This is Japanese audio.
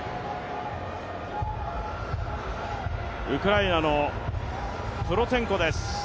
ウクライナのプロツェンコです。